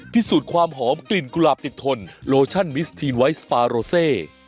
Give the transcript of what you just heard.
พิสูจน์ความหอมกลิ่นกุหลาบติดทนโลชั่นมิสทีนไวท์สปาโรเซ